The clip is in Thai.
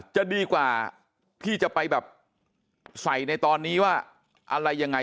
จะดีกว่าที่จะไปแบบใส่ในตอนนี้ว่าอะไรยังไง